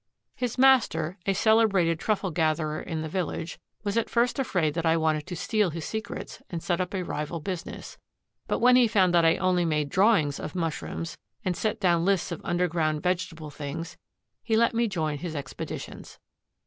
His master, a celebrated truffle gatherer in the village, was at first afraid that I wanted to steal his secrets and set up a rival business, but when he found that I only made drawings of mushrooms and set down lists of underground vegetable things, he let me join his expeditions.